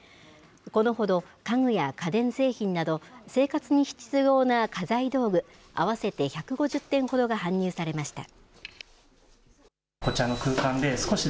このほど、家具や家電製品など、生活に必要な家財道具合わせて１５０点ほどが搬入されました。